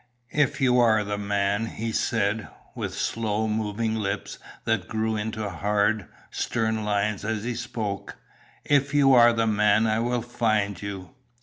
"If you are the man," he said, with slow moving lips that grew into hard, stern lines as he spoke "If you are the man I will find you!